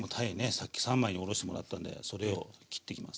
さっき三枚におろしてもらったんでそれを切っていきます。